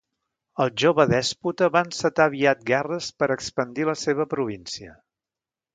El jove dèspota va encetar aviat guerres per expandir la seva província.